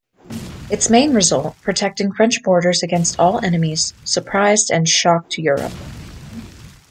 Its main result, protecting French borders against all enemies, surprised and shocked Europe.